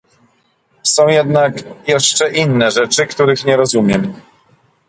Są jednak jeszcze inne rzeczy, których nie rozumiem